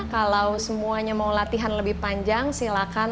kalau semuanya mau latihan lebih panjang silakan